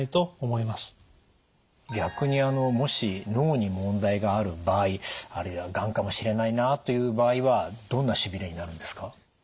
逆にもし脳に問題がある場合あるいはがんかもしれないなという場合はどんなしびれになるんですか？